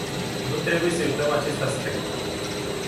Nu trebuie să uităm acest aspect.